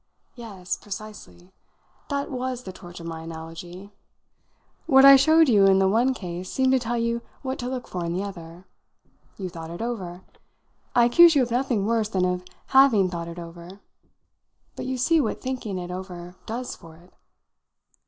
Yes, precisely. That was the torch of my analogy. What I showed you in the one case seemed to tell you what to look for in the other. You thought it over. I accuse you of nothing worse than of having thought it over. But you see what thinking it over does for it."